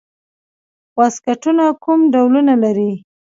واسکټونه کوم ډولونه لري؟